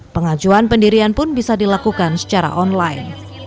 pengajuan pendirian pun bisa dilakukan secara online